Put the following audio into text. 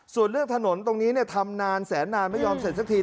ส่วนเรื่องถนนตรงนี้ทำนานแสนนานไม่ยอมเสร็จสักที